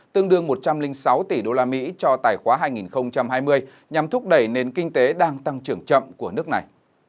tương đương một trăm linh sáu tỷ usd cho tài khoá hai nghìn hai mươi nhằm thúc đẩy nền kinh tế đang tăng trưởng chậm của nước này